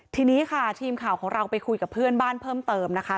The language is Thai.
ทีนี้ค่ะทีมข่าวของเราไปคุยกับเพื่อนบ้านเพิ่มเติมนะคะ